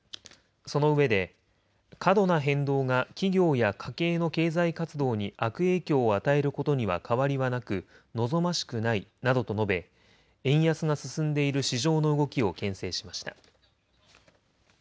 そのうえで過度な変動が企業や家計の経済活動に悪影響を与えることには変わりはなく望ましくないなどと述べ円安が進んでいる市場の動きをけん制しました。